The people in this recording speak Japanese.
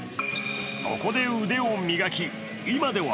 そこで腕を磨き、今では